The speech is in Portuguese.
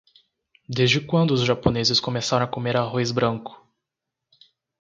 Desde quando os japoneses começaram a comer arroz branco?